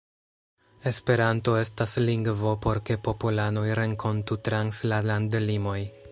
Esperanto estas lingvo por ke popolanoj renkontu trans la landlimoj.